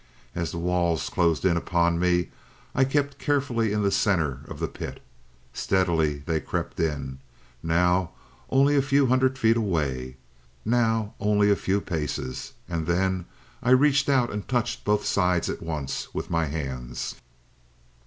As the walls closed in upon me, I kept carefully in the center of the pit. Steadily they crept in. Now only a few hundred feet away! Now only a few paces and then I reached out and touched both sides at once with my hands.